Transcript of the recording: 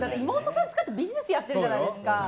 妹さん使ってビジネスやってるじゃないですか。